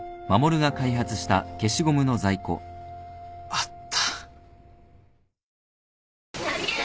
あった。